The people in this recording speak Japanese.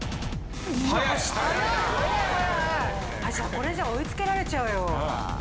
これじゃあ追いつけられちゃうよ。